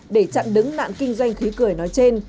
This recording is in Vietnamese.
để chặn đứng nạn kinh doanh khí cười nói trên